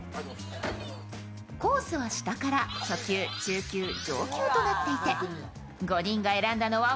コースは下から初球、中級、上級となっていて、５人が選んだのは